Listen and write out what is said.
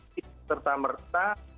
di serta merta